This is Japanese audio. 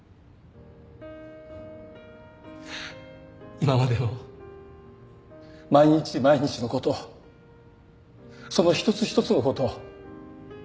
今までの毎日毎日のことその一つ一つのこと。